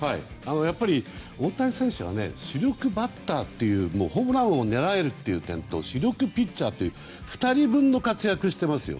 やっぱり大谷選手は主力バッターというホームラン王を狙える点と主力ピッチャーという２人分の活躍をしてますよ。